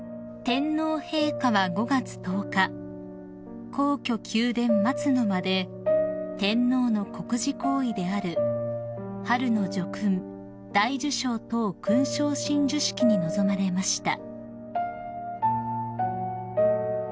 ［天皇陛下は５月１０日皇居宮殿松の間で天皇の国事行為である春の叙勲大綬章等勲章親授式に臨まれました］